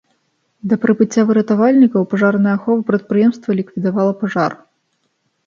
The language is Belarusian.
Да прыбыцця выратавальнікаў пажарная ахова прадпрыемства ліквідавала пажар.